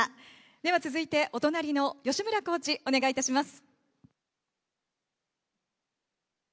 では続いて、お隣の吉村コーチ、お願いいたします。